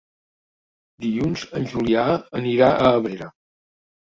Dilluns en Julià anirà a Abrera.